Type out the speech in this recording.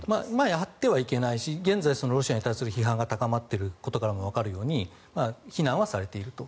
やってはいけないし現在、ロシアに対する批判が高まっていることからもわかるように非難はされていると。